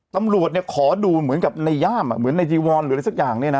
ตำรวจขอดูเหมือนกับในย่ามเหมือนในจีวรหรืออะไรสักอย่างเนี่ยนะ